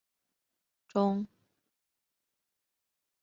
中路的主要建筑分前后两组。